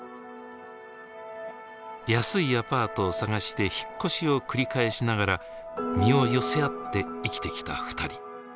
安いアパートを探して引っ越しを繰り返しながら身を寄せ合って生きてきた二人。